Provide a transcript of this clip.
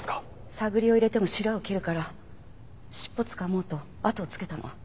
探りを入れてもしらを切るから尻尾つかもうと後をつけたの。